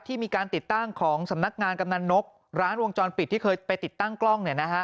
ที่มีการติดตั้งของสำนักงานกำนันนกร้านวงจรปิดที่เคยไปติดตั้งกล้องเนี่ยนะฮะ